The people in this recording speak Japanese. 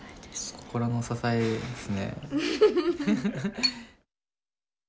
心の支えですね。